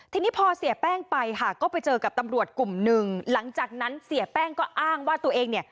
ทีนี้พอเสียแป้งไปค่ะก็ไปเจอกับตำรวจกลุ่มหนึ่งหลังจากนั้นเสียแป้งก็อ้างว่าตัวเองเนี่ย